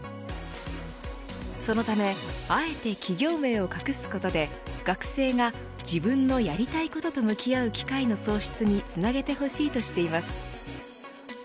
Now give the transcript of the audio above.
そのためあえて企業名を隠すことで学生が自分のやりたいことと向き合う機会の創出につなげてほしいとしています。